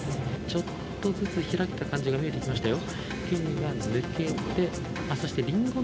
ちょっとずつ開けた感じが見えてきましたよ。